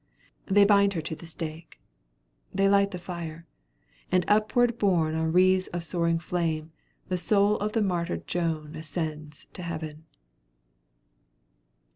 They bind her to the stake; they light the fire; and upward borne on wreaths of soaring flame, the soul of the martyred Joan ascends to heaven.